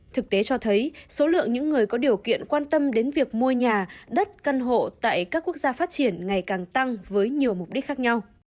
thực tế cho thấy số lượng những người có điều kiện quan tâm đến việc mua nhà đất căn hộ tại các quốc gia phát triển ngày càng tăng với nhiều mục đích khác nhau